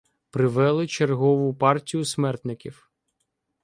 Привели чергову партію смертників.